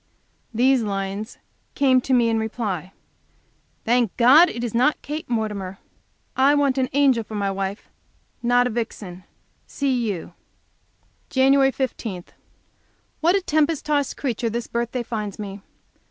These lines came to me in reply: "Thank God it is not Kate Mortimer. I want an angel for my wife, not a vixen. C. U." Jan. 15 What a tempest tossed creature this birthday finds me.